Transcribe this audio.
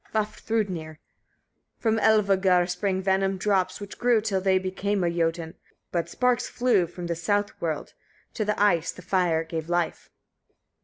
Vafthrûdnir. 31. From Elivâgar sprang venom drops, which grew till they became a Jötun; but sparks flew from the south world: to the ice the fire gave life.